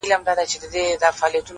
o له څه مودې ترخ يم خـــوابــــدې هغه؛